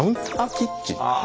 キッチンや。